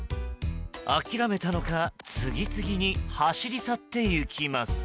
諦めたのか次々に走り去っていきます。